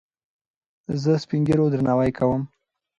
زه سپينږيرو درناوی کوم.